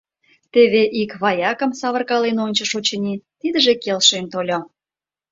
Теве ик ваякым савыркален ончыш, очыни, тидыже келшен тольо.